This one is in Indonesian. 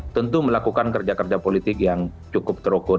tentu melakukan kerja kerja politik yang cukup terukur